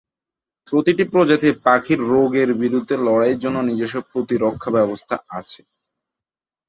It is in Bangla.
প্রতিটি প্রজাতির পাখির রোগের বিরুদ্ধে লড়াইয়ের জন্য নিজস্ব প্রতিরক্ষা ব্যবস্থা আছে।